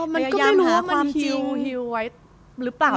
มันก็ไม่รู้ว่ามันชิวไว้หรือเปล่า